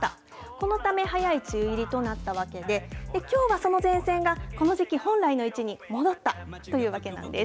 このため、早い梅雨入りとなったわけで、きょうはその前線がこの時期本来の位置に戻ったというわけなんです。